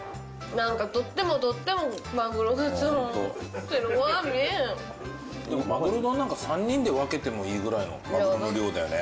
何か取っても取ってもマグロがホント白ご飯見えんでもまぐろ丼なんか三人で分けてもいいぐらいのマグロの量だよね